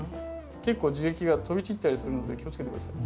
結構樹液が飛び散ったりするので気をつけて下さいね。